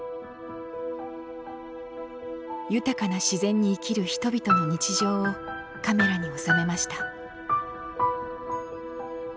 豊かな自然に生きる人々の日常をカメラに収めました。